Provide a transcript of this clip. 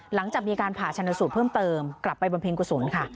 หลังจากมีการผ่าชนสูตรเพิ่มเติมกลับไปบำเพ็ญกุศลค่ะ